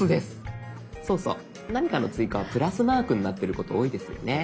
そうそう何かの追加はプラスマークになってること多いですよね。